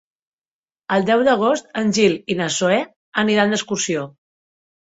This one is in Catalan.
El deu d'agost en Gil i na Zoè aniran d'excursió.